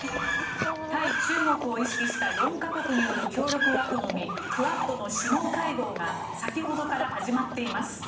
対中国を意識した４か国による協力枠組みクアッドの首脳会合が先ほどから始まっています。